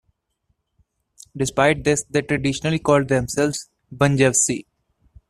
Despite this, they traditionally called themselves "Bunjevci".